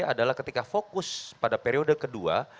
adalah ketika fokus pada periode kedua